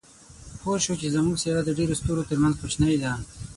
پوه شو چې زموږ سیاره د ډېرو ستورو تر منځ کوچنۍ ده.